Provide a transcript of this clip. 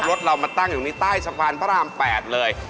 รถเรามาตั้งอยู่นี้ใต้สะพานพระราม๘เลย